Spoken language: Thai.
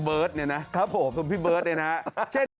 เบิร์ตนี่นะพี่เบิร์ตเนี่ยครับ่ะเช่น